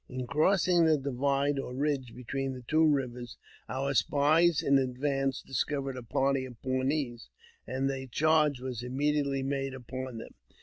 In crossing the divide, or ridge between the two rivers, our spies in advance discovered a party of Pawnees, and a charge was immediately made upon them.